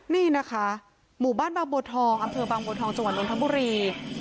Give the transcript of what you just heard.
นี่นะคะหมู่บ้านบางบัวทองอำเภอบางบัวทองจังหวัดนทบุรี